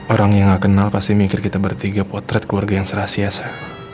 orang yang gak kenal pasti mikir kita bertiga potret keluarga yang serah siasa